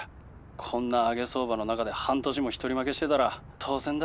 こんな上げ相場の中で半年も一人負けしてたら当然だ。